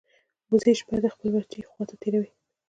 وزې شپه د خپل بچي خوا ته تېروي